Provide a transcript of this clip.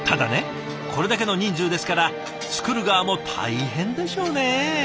これだけの人数ですから作る側も大変でしょうねえ。